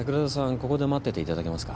ここで待ってていただけますか。